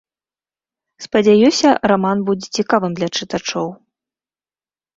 Спадзяюся, раман будзе цікавым для чытачоў.